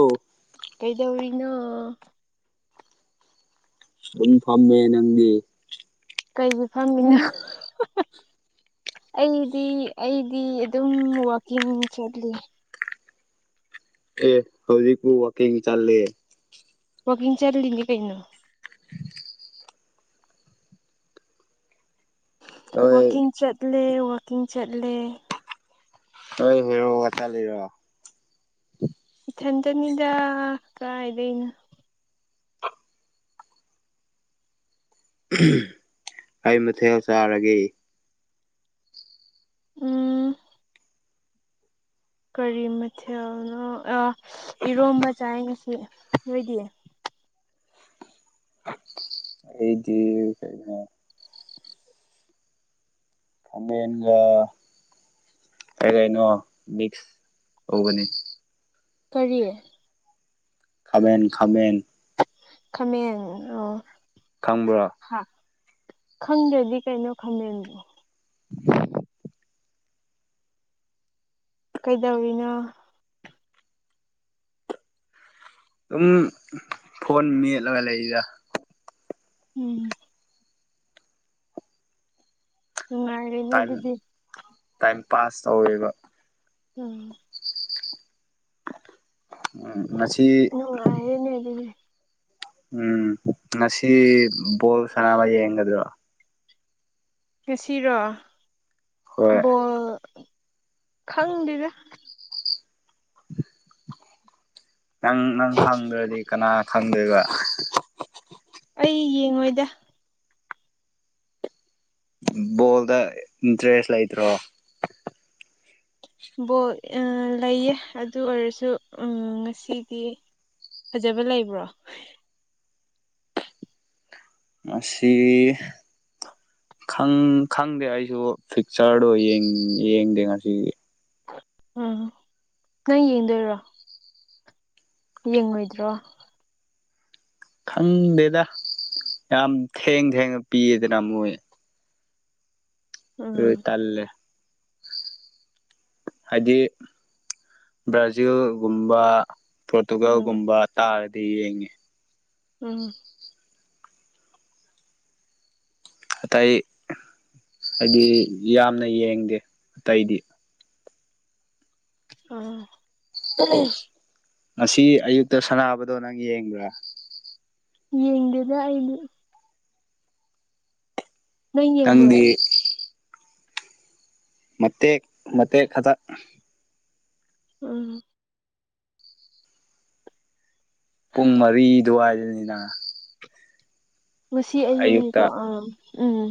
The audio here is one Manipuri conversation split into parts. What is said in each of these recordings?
ꯑꯣ ꯀꯩꯗꯧꯔꯤꯅꯣ ꯑꯗꯨꯝ ꯐꯝꯃꯦ ꯅꯪꯗꯤ ꯀꯩꯒꯤ ꯐꯝꯃꯤꯅꯣ ꯑꯩꯗꯤ ꯑꯩꯗꯤ ꯑꯗꯨꯝ ꯋꯥꯛꯀꯤꯡ ꯆꯠꯂꯤ ꯑꯦ ꯍꯧꯖꯤꯛꯄꯨ ꯋꯥꯀꯤꯡ ꯆꯠꯂ ꯆꯔ ꯂꯒꯦ ꯀꯩꯅꯣ ꯅꯣꯏ ꯋꯥꯀꯤꯡ ꯆꯠꯂ ꯋꯥꯀꯤꯡ ꯆꯠꯂ ꯑꯩꯣꯏ ꯍꯦꯔꯣ ꯉ ꯆ ꯂꯩꯔꯣ ꯏꯊꯟꯇꯅꯤꯗ ꯀꯥꯏꯥꯏꯗꯅ ꯑꯩ ꯃꯊꯦꯜ ꯆꯥꯔꯒꯦ ꯑ ꯀꯔꯤ ꯃꯊꯦꯜꯅꯣ ꯏꯔꯣꯝꯕ ꯆꯥꯏ ꯉꯁꯤ ꯑꯣꯏꯣꯏꯗꯤꯌꯦ ꯑꯩꯗꯤ ꯀ ꯀꯃꯦꯅꯤꯡꯒ ꯀꯩ ꯀꯩꯅꯣ ꯃꯤꯛꯁ ꯇꯒꯅꯤ ꯀꯔꯤꯌꯦ ꯈꯕꯦꯟ ꯈꯕꯦꯟ ꯈꯃ ꯑ ꯈꯪꯕ꯭ꯔꯥ ꯈꯪꯗ꯭ꯔꯗꯤ ꯀꯩꯅꯣ ꯈꯪꯗꯣ ꯀꯩꯗꯧꯔꯤꯅꯣ ꯑꯗꯨꯝ ꯐꯣꯟ ꯃꯦꯠꯂꯒ ꯂꯩꯔꯤꯗ ꯎꯝ ꯅꯨꯡꯉꯥꯏꯔꯦꯅꯦ ꯇꯥꯏꯝ ꯗꯨꯗꯤ ꯇꯥꯏꯝ ꯄꯥꯁ ꯇꯧꯋꯦꯕ ꯎꯝ ꯎꯝ ꯉꯁꯤ ꯅꯨꯡꯉꯥꯏꯔꯦꯅꯦ ꯑꯗꯨꯗꯤ ꯎꯝ ꯉꯁꯤ ꯕꯣꯜ ꯁꯅꯥꯕ ꯌꯦꯡꯒꯗ꯭ꯔꯣ ꯉꯁꯤꯔꯣ ꯍꯣꯏ ꯕꯣꯜ ꯈꯪꯗꯦꯗ ꯅꯪ ꯅꯪ ꯈꯪꯗ꯭ꯔꯗꯤ ꯀꯅꯥ ꯈꯪꯗꯣꯏꯕ ꯑꯩ ꯌꯦꯡꯉꯣꯏꯗ ꯕꯣꯜꯗ ꯏꯟꯇꯔꯦꯁ ꯂꯩꯇ꯭ꯔꯣ ꯕꯣ ꯑꯥ ꯂꯩꯌꯦ ꯑꯗꯨ ꯑꯣꯏꯔꯁꯨ ꯑꯝ ꯉꯁꯤꯗꯤ ꯐꯖꯕ ꯂꯩꯕ꯭ꯔꯣ ꯉꯁꯤ ꯈꯪ ꯈꯪꯗꯦ ꯑꯩꯁꯨ ꯄꯤꯛꯆꯔꯗꯣ ꯌꯦꯡ ꯌꯦꯡꯗꯦ ꯉꯁꯤꯒꯤ ꯎꯝ ꯅꯪ ꯌꯦꯡꯗꯣꯏꯔꯣ ꯌꯦꯡꯉꯣꯏꯗ꯭ꯔꯣ ꯈꯪꯗꯦꯗ ꯌꯥꯝ ꯊꯦꯡ ꯊꯦꯡꯅ ꯄꯤꯌꯦꯗꯅ ꯃꯣꯏ ꯗꯨꯏ ꯎꯝ ꯇꯜꯂꯦ ꯍꯥꯏꯗꯤ ꯕ꯭ꯔꯥꯖꯤꯜꯒꯨꯝꯕ ꯎꯝ ꯄꯣꯔꯇꯨꯒꯜꯒꯨꯝꯕ ꯇꯥꯔꯗꯤ ꯌꯦꯡꯉꯦ ꯎꯝ ꯑꯇꯩ ꯍꯥꯏꯗꯤ ꯌꯥꯝꯅ ꯌꯦꯡꯗꯦ ꯑꯇꯩꯗꯤ ꯑꯥꯥ ꯉꯁꯤ ꯑꯌꯨꯛꯇ ꯁꯅꯥꯕꯗꯣ ꯅꯪ ꯌꯦꯡꯕ꯭ꯔꯥ ꯌꯦꯡꯗꯦꯗ ꯑꯩꯗꯤ ꯅꯪ ꯌꯦꯡꯕ꯭ꯔꯣ ꯇꯪꯗꯤ ꯃꯇꯦꯛ ꯃꯇꯦꯛ ꯈꯛꯇ ꯎꯝ ꯄꯨꯡ ꯃꯔꯤ ꯗꯋ꯭ꯥꯏꯗꯅꯤꯅꯥ ꯉꯁꯤ ꯑꯌꯨꯝꯅꯤꯀꯣ ꯑ ꯎꯝ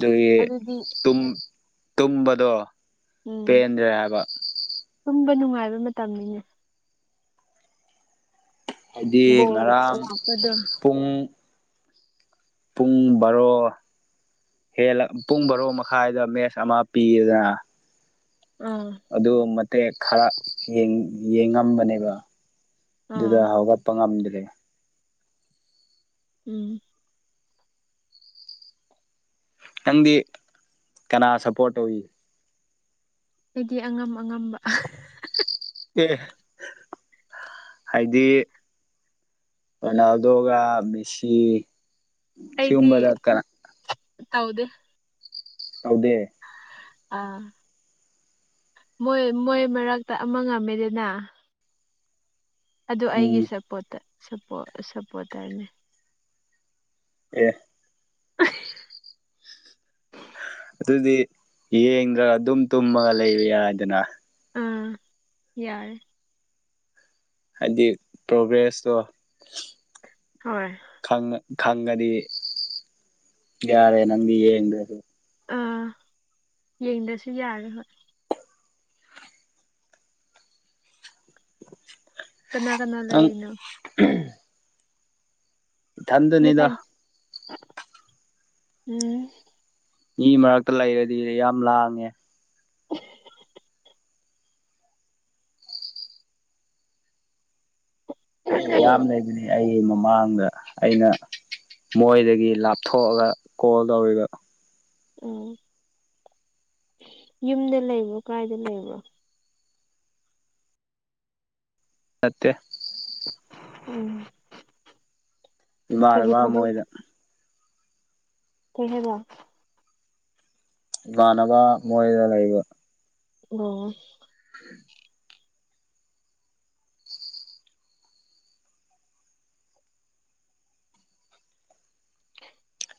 ꯗꯨꯒꯤ ꯑꯗꯨꯗꯤ ꯇꯨꯝ ꯇꯨꯝꯕꯗꯣ ꯎꯝ ꯄꯦꯟꯗꯔ꯭ꯦ ꯍꯥꯏꯕꯥ ꯉꯥꯏꯕ ꯃꯇꯝꯅꯤꯅꯦ ꯍꯥꯏꯗꯤ ꯕꯣꯜ ꯉꯔꯥꯡ ꯂꯥꯛꯄꯗꯣ ꯄꯨꯡ ꯄꯨꯡ ꯕꯥꯔꯣ ꯍꯦꯜꯂ ꯄꯨꯡ ꯕꯔꯣ ꯃꯈꯥꯏꯗ ꯃꯦꯆ ꯑꯃ ꯄꯤꯌꯦꯗꯅ ꯑꯥ ꯑꯗꯨ ꯃꯇꯦꯛ ꯈꯔ ꯌꯦꯡ ꯌꯦꯡꯉꯝꯕꯅꯦꯕ ꯗꯨꯗ ꯑꯥ ꯍꯧꯒꯠꯄ ꯉꯝꯗ꯭ꯔꯦ ꯎꯝ ꯅꯪꯗꯤ ꯀꯅꯥ ꯁꯞꯄꯣꯔꯠ ꯇꯧꯏ ꯑꯩꯗꯤ ꯑꯉꯝ ꯑꯉꯝꯕ ꯑꯦ ꯍꯥꯏꯗꯤ ꯔꯣꯅꯥꯜꯗꯣꯒꯥ ꯝꯦꯁꯤ ꯑꯩꯗꯤ ꯁꯤꯒꯨꯝꯕꯗ ꯀꯅꯥ ꯇꯧꯗꯦ ꯇꯧꯗꯦ ꯑꯥ ꯃꯣꯏ ꯃꯣꯏ ꯃꯔꯛꯇ ꯑꯃ ꯉꯝꯃꯦꯗꯅ ꯑꯗꯨ ꯑꯩꯒꯤ ꯎꯝ ꯁꯄꯣꯔꯠꯇ ꯁꯞꯄꯣ ꯁꯞꯄꯣꯔꯇꯔꯅꯦ ꯑꯦ ꯑꯗꯨꯗꯤ ꯌꯦꯡꯒ꯭ꯔ ꯑꯗꯨꯝ ꯇꯨꯝꯃꯒ ꯂꯩꯕ ꯌꯥꯏꯗꯅ ꯑꯥ ꯌꯥꯔ ꯍꯥꯏꯗꯤ ꯄ꯭ꯔꯣꯒ꯭ꯔꯦꯁꯇꯣ ꯍꯣꯏ ꯈꯪꯉꯗꯤ ꯌꯥꯔꯦ ꯅꯪꯗꯤ ꯌꯦꯡꯗ꯭ꯔꯁꯨ ꯑꯥ ꯌꯦꯡꯗꯁꯨ ꯌꯥꯔꯦ ꯍꯣꯏ ꯀꯅꯥ ꯀꯅꯥ ꯂꯩ ꯅꯪ ꯑꯩꯅ ꯇꯟꯗꯅꯤꯗ ꯅꯊꯟ ꯎꯝ ꯃꯤ ꯃꯔꯛꯇ ꯂꯩꯔꯗꯤ ꯌꯥꯝ ꯂꯥꯡꯉꯦ [inaudible] ꯃꯤ ꯃꯌꯥꯝ ꯂꯩꯕꯅꯤ ꯑꯩ ꯃꯃꯥꯡꯗ ꯑꯩꯅ ꯃꯣꯏꯗꯒꯤ ꯂꯥꯞꯊꯣꯛꯑꯒ ꯀꯣꯜ ꯇꯧꯔꯤꯕ ꯎꯝ ꯌꯨꯝꯗ ꯂꯩꯕ꯭ꯔꯣ ꯀꯥꯏꯗ ꯂꯩꯕ꯭ꯔꯣ ꯃꯠꯇꯦ ꯑ ꯏꯕꯥꯔꯦꯕ ꯃꯣꯏꯗ ꯀꯩꯅꯖ ꯏꯃꯅꯅꯕ ꯃꯣꯗ ꯂꯩ ꯏꯕ ꯑꯣ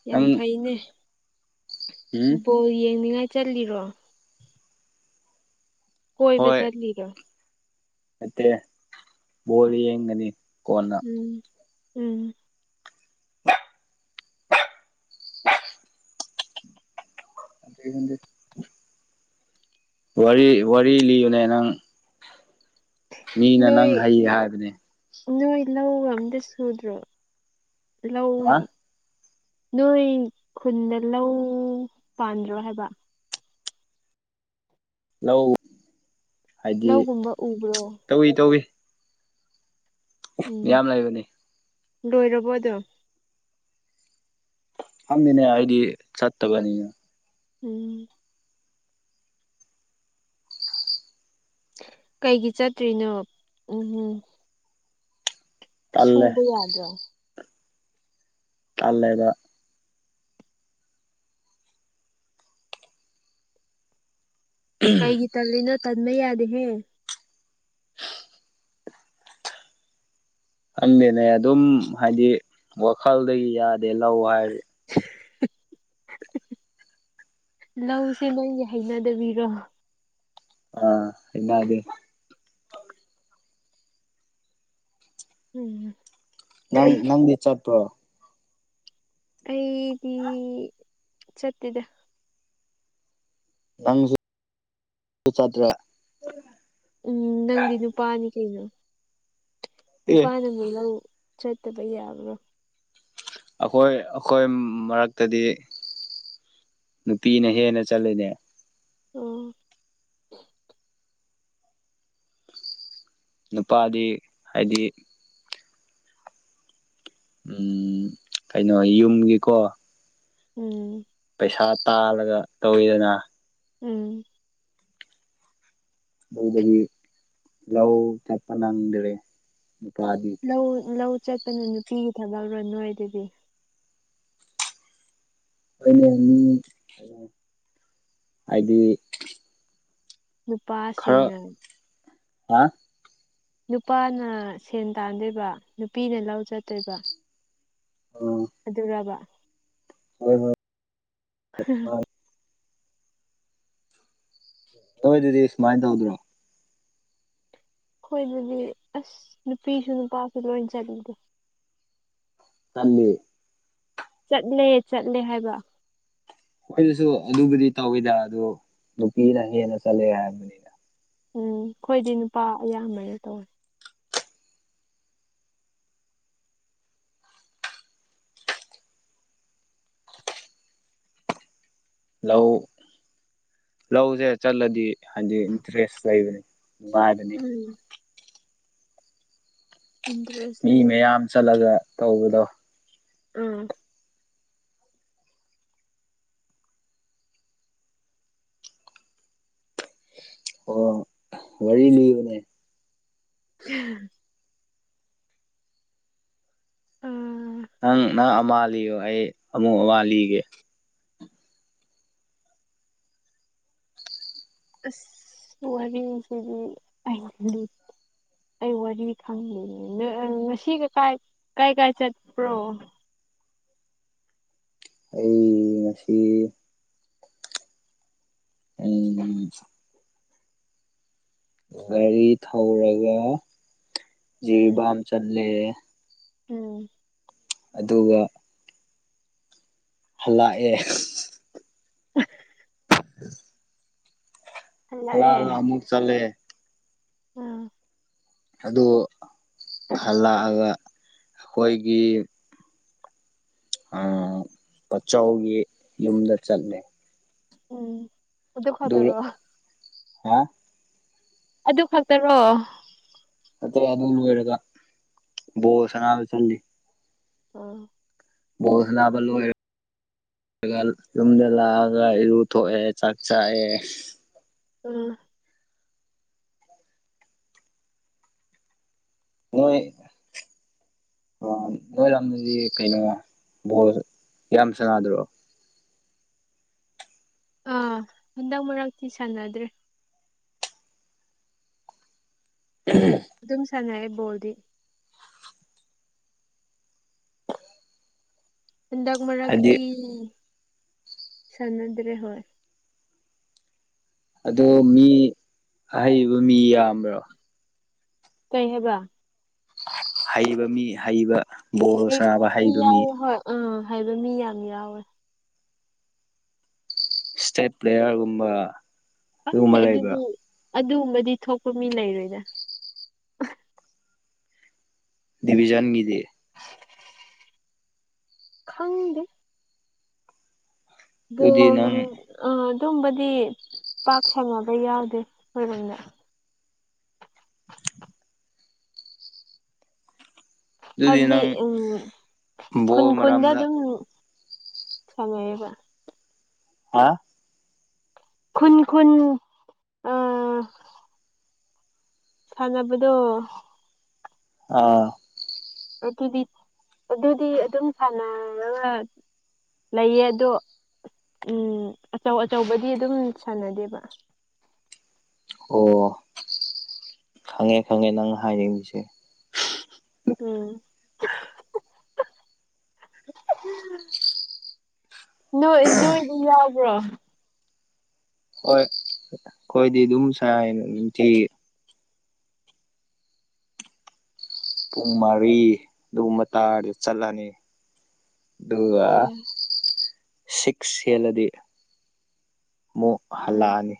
ꯌꯥꯝ ꯅꯪ ꯐꯩꯅꯦ ꯎꯝ ꯕꯣꯜ ꯌꯦꯡꯅꯤꯡꯉꯥꯏ ꯆꯂꯤꯔꯣ ꯀꯣꯏ ꯆꯔꯒ ꯃꯦ ꯣꯔꯤ ꯌꯦꯒꯅꯤ ꯎꯝ ꯎꯝ ꯗ ꯋꯥ ꯋꯥꯔꯤ ꯂꯒꯂꯅꯪ ꯃꯤꯅ ꯅꯣꯏ ꯅꯪ ꯍꯩꯌꯦ ꯍꯥꯏꯕꯅꯦ ꯅꯣꯏ ꯂꯧ ꯑꯝꯇ ꯁꯨꯗ꯭ꯔꯣ ꯂꯧꯏ ꯍꯥ ꯅꯣꯏ ꯈꯨꯟꯗ ꯂꯧ ꯄꯥꯟꯗ꯭ꯔꯣ ꯍꯥꯏꯕ ꯂꯧ ꯍꯥꯏꯗꯤ ꯂꯧꯒꯨꯝꯕ ꯎꯕ꯭ꯔꯣ ꯇꯧꯏꯤ ꯇꯧꯏ ꯌꯥꯝ ꯂꯩꯕꯅꯤ ꯂꯣꯏꯔꯕꯣꯗꯣ ꯑꯃꯤꯅꯦ ꯑꯩꯗꯤ ꯆꯠ ꯇꯀꯅꯤ ꯎꯝ ꯀꯩꯒꯤ ꯆꯠꯇ꯭ꯔꯤꯅꯣ ꯎꯝ ꯎꯝ ꯇꯜꯂꯦ ꯁꯨꯕ ꯌꯥꯗ꯭ꯔꯣ ꯇꯂꯦꯕ ꯀꯩꯒꯤ ꯇꯜꯂꯤꯅꯣ ꯇꯟꯕ ꯌꯥꯗꯦꯍꯦ ꯈꯪꯗꯦꯅꯦ ꯑꯗꯨꯝ ꯍꯥꯏꯗꯤ ꯋꯥꯈꯜꯗꯒꯤ ꯌꯥꯗꯦ ꯂꯧ ꯍꯥꯏꯔ [inaudible] ꯂꯧꯁꯦ ꯅꯣꯏꯒꯤ ꯍꯩꯅꯗꯕꯤꯔꯣ ꯑꯥ ꯏꯟꯅꯗꯤ ꯎꯝ ꯅꯪ ꯅꯪꯗꯤ ꯆꯠꯠꯇꯣ ꯑꯩꯗꯤ ꯆꯠꯇꯗ ꯅꯪꯁꯨ ꯆꯠꯇ꯭ꯔꯦ ꯎꯝ ꯅꯪꯗꯤ ꯅꯨꯄꯥꯅꯤ ꯀꯩꯅꯣ ꯑꯦ ꯅꯨꯄꯥꯅ ꯑꯃꯨꯛ ꯂꯧ ꯆꯠꯇꯕ ꯌꯥꯕ꯭ꯔꯥ ꯑꯩꯈꯣꯏ ꯑꯩꯈꯣꯏ ꯃꯔꯛꯇꯗꯤ ꯅꯨꯄꯤꯅ ꯍꯦꯟꯅ ꯆꯠꯂꯅꯦ ꯑꯣ ꯅꯨꯄꯥꯗꯤ ꯍꯥꯏꯗꯤ ꯎꯝ ꯀꯩꯅꯣ ꯌꯨꯝꯒꯤꯀꯣ ꯎꯝ ꯄꯩꯁꯥ ꯇꯥꯜꯂꯒ ꯇꯧꯋꯤꯗꯅ ꯎꯝ ꯑꯗꯨꯗꯗꯤ ꯂꯎ ꯆꯄꯅꯪꯗꯦ ꯂꯧ ꯂꯧ ꯆꯠꯄꯅꯣ ꯅꯨꯄꯤꯒꯤ ꯊꯛ ꯂꯧꯔ ꯅꯣꯏꯣꯏ ꯑꯗꯨꯗꯤ ꯑꯩꯅ ꯍꯥꯏꯗꯤ ꯈꯔ ꯅꯨꯄꯥꯁꯤꯅꯅꯦ ꯍꯥ ꯅꯨꯄꯥꯅ ꯁꯦꯟ ꯇꯥꯟꯗꯣꯏꯕ ꯅꯨꯄꯤꯅ ꯂꯧ ꯆꯠꯇꯣꯏꯕ ꯑꯗꯨꯗ ꯔꯕ ꯍ ꯍ ꯇꯧꯋꯦ ꯑꯗꯨꯗꯤ ꯁꯨꯃꯥꯏꯅ ꯇꯧꯗ꯭ꯔꯣ ꯍꯈꯣꯏꯗꯗꯤ ꯑꯁ ꯅꯨꯄꯤꯁꯨ ꯅꯨꯄꯥꯁꯨ ꯂꯣꯏ ꯆꯠꯂꯤꯗꯦ ꯆꯥꯟꯅꯤ ꯆꯠꯂꯦ ꯆꯠꯂꯦ ꯍꯥꯏꯕ ꯃꯣꯏꯗꯨꯁꯨ ꯑꯗꯨꯕꯨꯗꯤ ꯇꯧꯋꯤꯗ ꯑꯗꯨ ꯅꯨꯄꯤꯅ ꯍꯦꯟꯅ ꯆꯠꯂꯦ ꯍꯥꯏꯕꯅꯤꯅ ꯎꯝ ꯑꯩꯈꯣꯏꯗꯤ ꯅꯨꯄꯥ ꯑꯌꯥꯝꯕꯅ ꯇꯧꯋꯦ ꯂꯧ ꯂꯧꯁꯦ ꯆꯠꯂꯗꯤ ꯍꯥꯏꯗꯤ ꯏꯟꯇꯔꯦꯁ ꯂꯩꯕꯅꯤ ꯋꯥ ꯑꯗꯨꯅꯤ ꯎꯝ ꯏꯟꯇꯔꯦꯁ ꯃꯤ ꯂꯩꯌꯦ ꯃꯌꯥꯝ ꯆꯠꯂꯒ ꯇꯧꯕꯗꯣ ꯎꯝ ꯑꯣ ꯋꯥꯔꯤ ꯂꯑꯣꯅꯦ ꯎꯝ ꯑꯥ ꯅꯪ ꯅꯪ ꯑꯃ ꯂꯤꯌꯣ ꯑꯩ ꯑꯃꯨꯛ ꯑꯃ ꯂꯤꯒꯦ ꯑꯁ ꯋꯥꯔꯤꯁꯤꯗꯤ ꯑꯗꯤ ꯑꯩ ꯋꯥꯔꯤ ꯈꯪꯅꯤꯡꯉꯦ ꯉꯁꯤꯒꯥꯏ ꯀꯥꯏ ꯀꯥꯏ ꯆꯠꯄ꯭ꯔꯣ ꯑꯩ ꯃꯁꯤꯁꯤ ꯑꯦ ꯒꯥꯔꯤ ꯊꯧꯔꯒ ꯎꯝ ꯖꯤꯔꯤꯕꯥꯝ ꯆꯠꯂꯦꯦ ꯎꯝ ꯑꯗꯨꯒ ꯍꯜ ꯂꯥꯛꯑ [unintelligible] [unintelligible] ꯐꯂ ꯑꯃꯃꯨꯛ ꯆꯂꯦ ꯑꯝ ꯑꯗꯨ ꯍꯜꯂꯛꯑꯒ ꯑꯩꯈꯣꯏꯒꯤ ꯄꯆꯥꯎꯒꯤ ꯌꯨꯝꯗ ꯆꯠꯂꯦ ꯎꯝ ꯑꯗꯨꯗ ꯈꯇꯔ ꯑꯗꯨ ꯋꯥ ꯍꯥ ꯑꯗꯨ ꯈꯛꯇꯔꯣ ꯑꯇꯩ ꯌꯥ ꯑꯗꯨ ꯑꯣꯏꯔꯒ ꯣꯁꯅ ꯆꯜꯂꯤ ꯑꯣ ꯣꯁ ꯂꯕꯜꯂꯣ ꯌꯨꯝꯗ ꯂꯥꯛꯑꯒ ꯏꯔꯨ ꯊꯣꯛꯑꯦ ꯆꯥꯛ ꯆꯥꯛꯑꯦ ꯎꯝ ꯃꯣꯏ ꯅꯣꯏꯔꯗꯗꯤ ꯀꯩꯅꯣ ꯚꯣ ꯌꯥꯝ ꯁꯅꯗ꯭ꯔꯣ ꯑꯥ ꯍꯟꯗꯛ ꯃꯔꯛꯇꯤ ꯁꯥꯟꯅꯗ꯭ꯔꯦ ꯎꯝ ꯑꯗꯨꯝ ꯁꯥꯟꯅꯑꯦ ꯕꯣꯜꯗꯤ ꯍꯟꯗꯛ ꯍꯥꯏꯗꯤ ꯃꯔꯛꯇꯤ ꯁꯥꯟꯅꯗ꯭ꯔꯦ ꯍꯣꯏ ꯑꯗꯣ ꯃꯤ ꯑꯍꯩꯕ ꯃꯤ ꯌꯥꯝꯕ꯭ꯔꯣ ꯀꯩꯍꯕ ꯍꯩꯕ ꯃꯤ ꯍꯩꯕ ꯕꯣꯜ ꯍꯕ ꯁꯥꯟꯅꯕ ꯃꯤ ꯍꯩꯕ ꯌꯥꯎꯋꯦ ꯍꯣꯏ ꯎꯝ ꯍꯩꯕ ꯃꯤ ꯌꯥꯝ ꯌꯥꯎꯋꯦ ꯁꯇꯦꯠ ꯄ꯭ꯂꯦꯌꯥꯔꯒꯨꯝꯕ ꯐꯔꯦ ꯑꯗꯨꯗꯤ ꯑꯗꯨꯒꯨꯝꯕꯗꯤ ꯊꯣꯛꯄ ꯃꯤ ꯂꯩꯔꯣꯏꯗ ꯗꯤꯚꯖꯟꯒꯤꯗꯤꯦ ꯈꯪꯗꯦ ꯑꯗꯨꯗꯤ ꯅꯪ ꯑ ꯑꯗꯨꯝꯕꯗꯤ ꯄꯥꯛ ꯁꯟꯅꯕ ꯌꯥꯎꯗꯦ ꯈꯣꯏꯕꯨꯝꯗ ꯑꯗꯨꯗꯤ ꯍꯥꯏꯕꯗꯤ ꯅꯪ ꯎꯝ ꯈꯨꯟ ꯕꯣꯜ ꯈꯨꯟꯗ ꯃꯔꯝꯗ ꯑꯗꯨꯝ ꯆꯉꯥꯏꯕ ꯍꯥ ꯈꯨꯟ ꯈꯨꯟ ꯑ ꯁꯕꯗꯣ ꯑꯥ ꯑꯗꯨꯗꯤ ꯑꯗꯨꯗꯤ ꯑꯗꯨꯝ ꯁꯥꯟꯅꯔꯒ ꯂꯩꯌꯦ ꯑꯗꯣ ꯎꯝ ꯑꯆꯧ ꯑꯆꯧꯕꯗꯤ ꯑꯗꯨꯝ ꯁꯥꯟꯅꯗꯦꯕ ꯑꯣ ꯈꯪꯉꯦ ꯈꯪꯉꯦ ꯅꯪ ꯍꯥꯏꯅꯤꯡꯃꯤꯁꯦ ꯎꯝ ꯣꯏ ꯅꯣꯏꯗꯤ ꯌꯥꯎꯕ꯭ꯔꯣ ꯍꯣꯏ ꯀꯣꯏꯗꯤꯗꯨ ꯎꯝꯁꯗꯤ ꯄꯨꯡ ꯃꯔꯤ ꯑꯗꯨꯒꯨꯝꯕ ꯇꯥꯔꯗꯤ ꯆꯠꯂꯅꯤ ꯑꯗꯨꯒ ꯑꯣ ꯁꯤꯛꯁꯂꯗꯤ ꯃ ꯎꯝ ꯍꯜꯂꯑꯅꯤ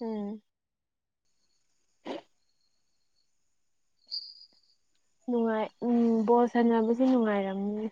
ꯎꯝ ꯅꯨꯡꯉꯥꯏ ꯎꯝ ꯕꯣꯜ ꯁꯥꯟꯅꯕꯁꯦ ꯅꯨꯡꯉꯥꯏꯔꯝꯅꯤ